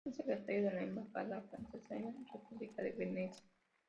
Fue secretario de la embajada francesa en la República de Venecia.